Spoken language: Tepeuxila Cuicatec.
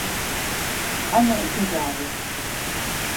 ¿A neʼe kuyadud?